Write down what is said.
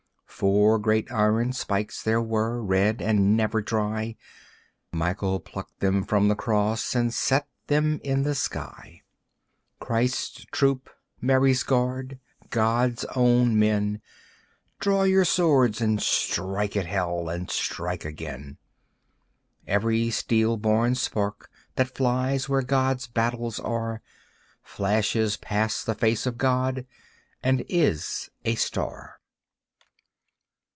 Four great iron spikes there were, red and never dry, Michael plucked them from the Cross and set them in the sky. Christ's Troop, Mary's Guard, God's own men, Draw your swords and strike at Hell and strike again. Every steel born spark that flies where God's battles are, Flashes past the face of God, and is a star.